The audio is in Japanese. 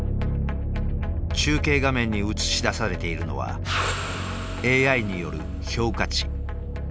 中継画面に映し出されているのはＡＩによる評価値。